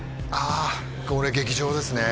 あこれ劇場ですね